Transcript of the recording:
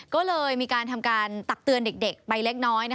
ก็เลยมีการทำการตักเตือนเด็กไปเล็กน้อย